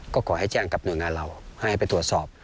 ก็ขอให้แจ้งกับหน่วยงานเราให้ไปตรวจสอบ